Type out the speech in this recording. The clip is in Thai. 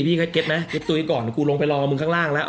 พี่เข้าใจไหมตุ๋ยก่อนกูลงไปรอมึงข้างล่างแล้ว